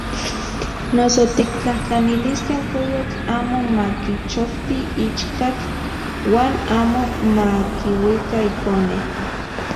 Noso tiktlajtlaniliskej koyotl amo makichokti ichkatl uan amo makiuika ikone.